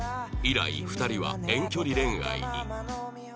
以来２人は遠距離恋愛に